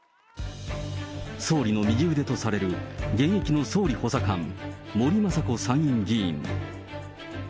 総理の右腕とされる、現役の総理補佐官、森雅子参院議員。